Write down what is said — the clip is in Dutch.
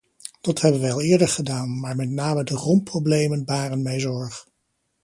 Dat hebben wij al eerder gedaan, maar met name de rompproblemen baren mij zorg.